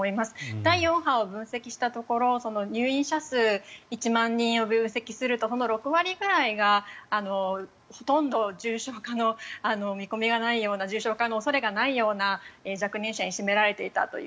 第４波を分析したところ入院患者１万人を分析したところその６割ぐらいがほとんど重症化の見込みがないような重症化の恐れがないような若年者に占められていたという。